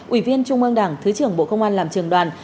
ủy viên trung ương đảng thứ trưởng bộ công an làm trường đoàn